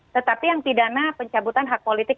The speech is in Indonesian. tetapi yang pidana pencabutan hak politik